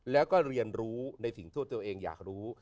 แล้วก็เรียนรู้ในสิ่งที่ตัวเองอยากรู้